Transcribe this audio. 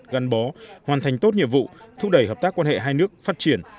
gắn bó hoàn thành tốt nhiệm vụ thúc đẩy hợp tác quan hệ hai nước phát triển